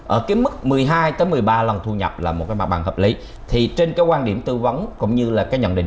ở cái mức một mươi hai một mươi ba lần thu nhập là một cái mặt bằng hợp lý thì trên cái quan điểm tư vấn cũng như là cái nhận định